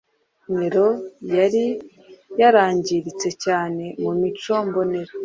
Nero yari yarangiritse cyane mu mico mbonera,